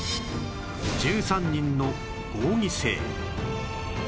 １３人の合議制